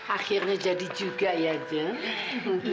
akhirnya jadi juga ya